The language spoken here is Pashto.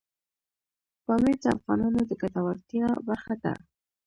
پامیر د افغانانو د ګټورتیا برخه ده.